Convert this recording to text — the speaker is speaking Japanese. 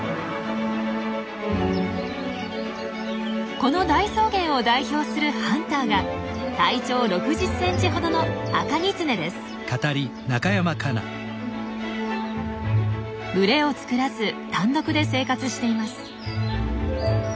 この大草原を代表するハンターが体長６０ｃｍほどの群れを作らず単独で生活しています。